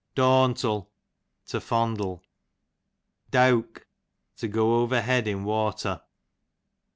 Dawntle, to fondle. DeaTvk, to go over head in water.